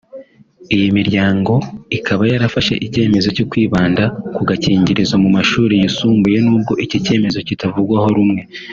Iyi miryango ikaba yarafashe icyemezo cyo kwibanda ku gakingirizo mu mashuri yisumbuye n’ubwo iki cyemezo kitavugwaho rumwe